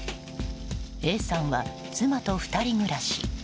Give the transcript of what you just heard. Ａさんは妻と２人暮らし。